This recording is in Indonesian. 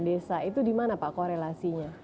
desa itu di mana pak korelasinya